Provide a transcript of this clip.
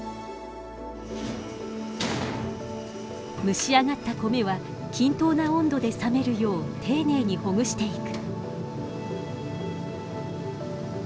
蒸し上がった米は均等な温度で冷めるよう丁寧にほぐしていく。